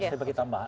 saya bagi tambahan